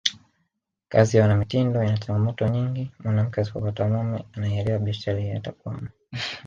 Kazi ya uanamitindo ina changamoto nyingi mwanamke asipopata mume anayeielewa biashara hii atakwama